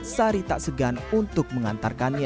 sari tak segan untuk mengantarkannya